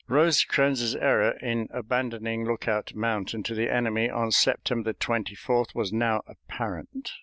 Rosecrans's error in abandoning Lookout Mountain to the enemy on September 24th was now apparent.